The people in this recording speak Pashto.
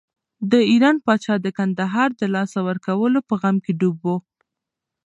د ایران پاچا د کندهار د لاسه ورکولو په غم کې ډوب و.